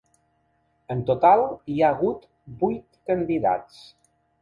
En total hi ha hagut vuit candidats.